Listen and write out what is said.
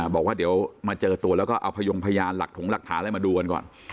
บอกว่าเดี๋ยวมาเจอตัวแล้วก็เอาพยงพยานหลักถงหลักฐานอะไรมาดูกันก่อน